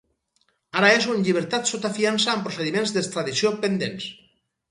Ara és en llibertat sota fiança amb procediments d’extradició pendents.